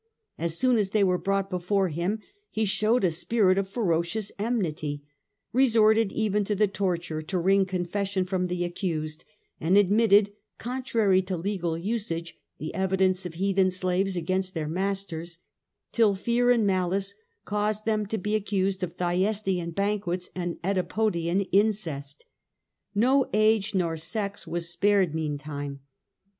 As soon as they were brought before him he showed a spirit of ferocious enmity, resorted even to the torture to wring confession from the accused, and admitted, contrary to legal usage, the evidence of heathen slaves against their masters, till rear and malice caused them to be accused of * Thyestean banquets and CEdipodean incest. No age nor sex was cH. VI. The Empire a 7 td Christianity, 143 spared meantime.